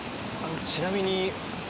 ちなみに。